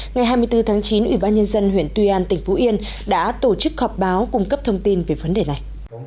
ngày hai mươi bốn tháng chín ủy ban nhân dân huyện tuy an tỉnh phú yên đã tổ chức họp báo cung cấp thông tin về vấn đề này